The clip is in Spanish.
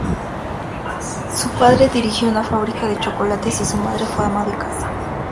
Su padre dirigió una fábrica de chocolates, y su madre fue ama de casa.